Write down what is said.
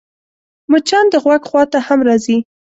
مچان د غوږ خوا ته هم راځي